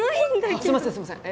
すいませんすいません。